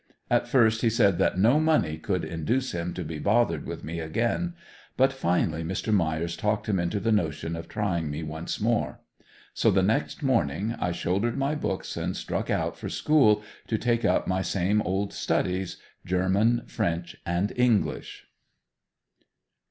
At first he said that no money could induce him to be bothered with me again, but finally Mr. Myers talked him into the notion of trying me once more. So the next morning I shouldered my books and struck out for school to take up my same old studies, German, French and English.